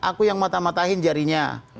aku yang mata matahin jarinya